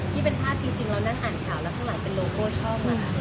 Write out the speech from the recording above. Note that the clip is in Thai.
นี่เป็นภาพจริงเรานั่งอ่านข่าวแล้วข้างหลังเป็นโลโก้ชอบมา